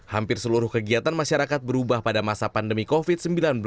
hampir seluruh kegiatan masyarakat berubah pada masa pandemi covid sembilan belas